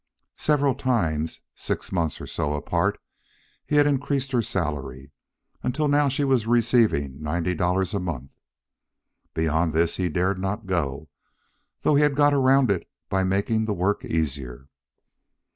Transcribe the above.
Several times, six months or so apart, he had increased her salary, until now she was receiving ninety dollars a month. Beyond this he dared not go, though he had got around it by making the work easier.